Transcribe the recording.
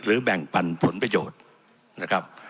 แบ่งปันผลประโยชน์นะครับ